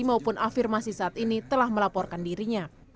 maupun afirmasi saat ini telah melaporkan dirinya